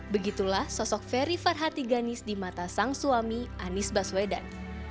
begitulah sosok ferry farhati ganis di mata sang suami anies baswedan